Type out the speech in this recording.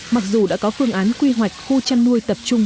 mặc dù đã có phương án quy hoạch khu chăn nuôi tập trung